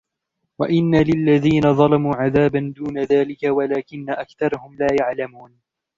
وَإِنَّ لِلَّذِينَ ظَلَمُوا عَذَابًا دُونَ ذَلِكَ وَلَكِنَّ أَكْثَرَهُمْ لَا يَعْلَمُونَ